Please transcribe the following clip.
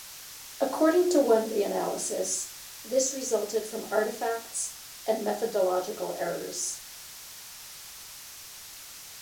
According to one reanalysis, this resulted from artifacts and methodological errors.